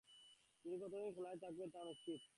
তিনি কতদিন খেলায় অংশ নিবেন তা অনিশ্চিত।